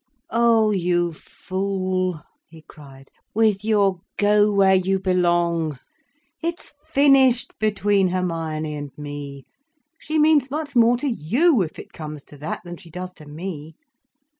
"Ah you fool!" he cried, "with your 'go where you belong.' It's finished between Hermione and me. She means much more to you, if it comes to that, than she does to me.